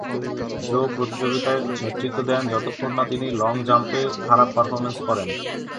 জো প্রতিযোগিতায় নেতৃত্ব দেন যতক্ষণ না তিনি লং জাম্পে খারাপ পারফরম্যান্স করেন।